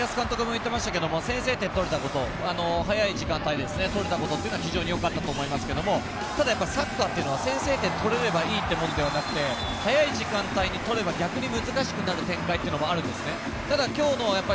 森保監督も言ってましたが先制点を取れたこと、早い時間帯で取れたことは非常によかったと思いますけれども、ただサッカーは先制点を取れればいいっていうものではなくて、早い時間帯に取れば、逆に難しくなる展開っていうのもあるんですね。